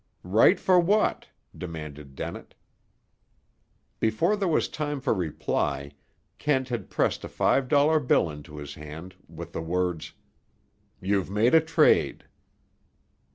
"Right for what?" demanded Dennett. Before there was time for reply, Kent had pressed a five dollar bill into his hand, with the words: "You've made a trade."